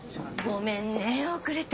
ごめんね遅れて。